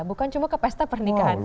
bukan cuma ke pesta pernikahan